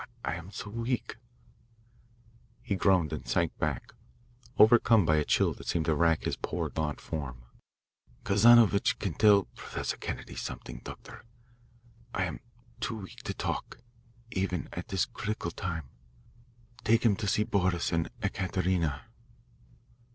I am so weak " He groaned and sank back, overcome by a chill that seemed to rack his poor gaunt form. "Kazanovitch can tell Professor Kennedy something, Doctor. I am too weak to talk, even at this critical time. Take him to see Boris and Ekaterina."